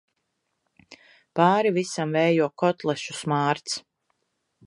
Pāri visam vējo kotlešu smārds.